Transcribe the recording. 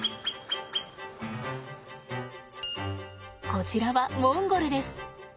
こちらはモンゴルです。